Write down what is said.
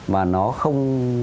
mà nó không